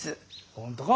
本当か？